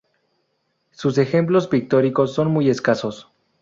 Sus ejemplos pictóricos son muy escasos.